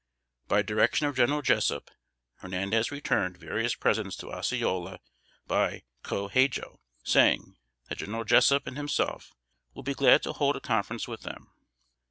By direction of General Jessup, Hernandez returned various presents to Osceola by Co Hadjo, saying, that General Jessup and himself would be glad to hold a conference with them.